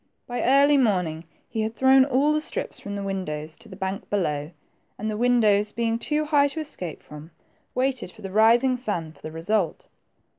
By early morning he had thrown all the strips from the win dows to the bank below, and the windows being too high to escape from, waited for the rising sun for the result.